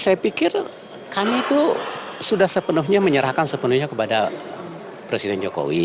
saya pikir kami itu sudah sepenuhnya menyerahkan sepenuhnya kepada presiden jokowi